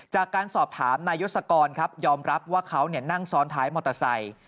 จากการสอบถามนายยศกรครับยอมรับว่าเขานั่งซ้อนท้ายมอเตอร์ไซค์